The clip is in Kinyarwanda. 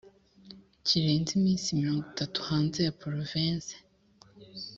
kirenze iminsi mirongo itatu hanze ya porovensi